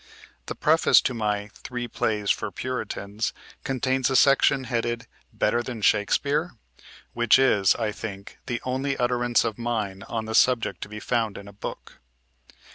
The preface to my "Three Plays for Puritans" contains a section headed "Better than Shakespeare?" which is, I think, the only utterance of mine on the subject to be found in a book....